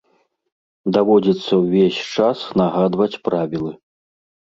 Даводзіцца ўвесь час нагадваць правілы.